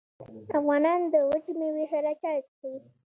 افغانان د وچې میوې سره چای څښي.